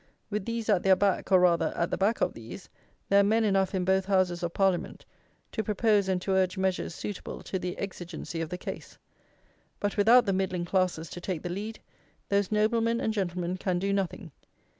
With these at their back, or rather, at the back of these, there are men enough in both Houses of Parliament to propose and to urge measures suitable to the exigency of the case. But without the middling classes to take the lead, those noblemen and gentlemen can do nothing.